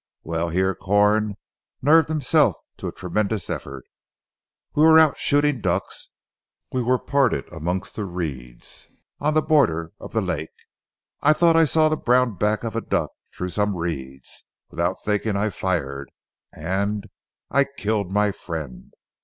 Well," here Corn nerved himself to a tremendous effort, "we were out shooting ducks. We were parted amongst the reeds on the borders of the lake. I thought I saw the brown back of a duck through some reeds. Without thinking I fired, and I killed my friend!